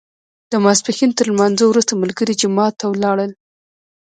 د ماسپښین تر لمانځه وروسته ملګري جومات ته ولاړل.